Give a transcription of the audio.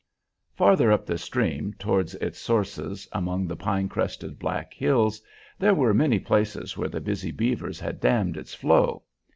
Farther up the stream towards its sources among the pine crested Black Hills, there were many places where the busy beavers had dammed its flow.